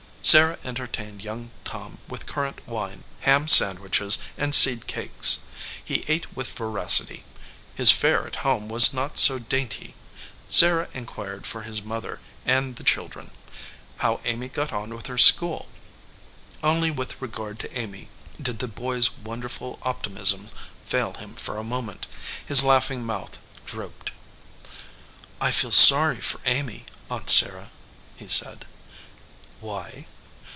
Sarah entertained young Tom with currant wine, ham sandwiches, and seed cakes. He ate with voracity. His fare at home was not so dainty. Sarah inquired for his mother and the chil dren; how Amy got on with her school. Only with regard to Amy did the boy s wonderful opti mism fail him for a moment. His laughing mouth drooped. "I feel sorry for Amy, Aunt Sarah," he said. "Why?"